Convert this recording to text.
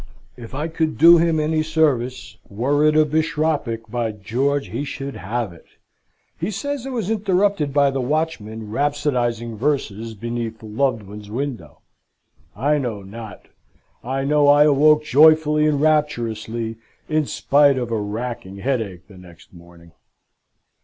If I could do him any service, were it a bishopric, by George! he should have it. He says I was interrupted by the watchman rhapsodising verses beneath the loved one's window. I know not. I know I awoke joyfully and rapturously, in spite of a racking headache the next morning.